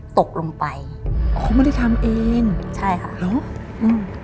ตกลงไปเขาไม่ได้ทำเองใช่ค่ะเนอะอืม